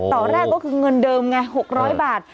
ตอนแรกก็คือเงินเดิมไง๖๐๐บาท